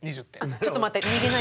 ちょっと待って。